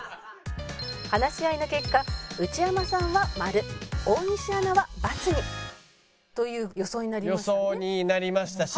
話し合いの結果内山さんはマル大西アナはバツに。という予想になりましたね。